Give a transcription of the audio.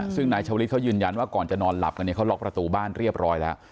ซึ่งนายชาวลิศเขายืนยันว่าก่อนจะนอนหลับกันเนี่ยเขาล็อกประตูบ้านเรียบร้อยแล้ว